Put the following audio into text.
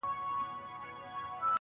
په دې پردي وطن كي.